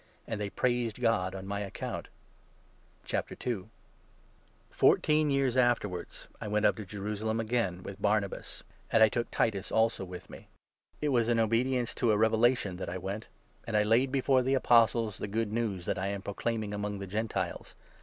And they praised God 24 Hj on my account. Fourteen years afterwards i ' independent I went up to Jerusalem again with Barnabas, Action. amj j took Titus also with me. It was in 2 obedience to a revelation that I went ; and I laid before the Apostles the Good News that I am proclaiming among the Gentiles.